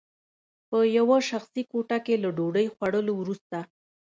په یوه شخصي کوټه کې له ډوډۍ خوړلو وروسته